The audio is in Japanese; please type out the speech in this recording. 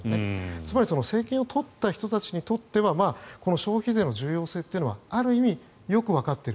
つまり政権を取った人たちにとってみると消費税の重要性というのはある意味よくわかっている。